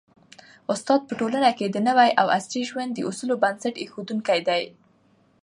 استاد په ټولنه کي د نوي او عصري ژوند د اصولو بنسټ ایښودونکی دی.